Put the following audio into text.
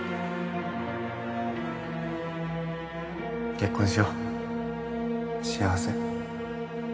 結婚しよう幸せ？